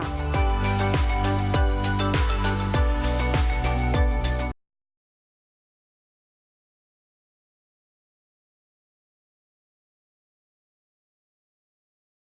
jangan lupa like share dan subscribe